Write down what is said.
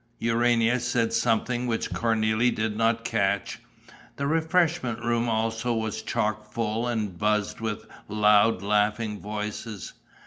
Urania said something which Cornélie did not catch. The refreshment room also was chock full and buzzed with loud, laughing voices.